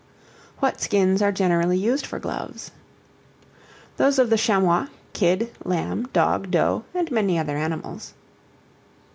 What skins are generally used for Gloves? Those of the chamois, kid, lamb, dog, doe, and many other animals.